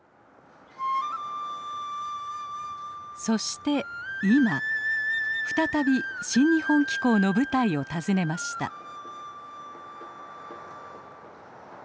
そして今再び「新日本紀行」の舞台を訪ねました。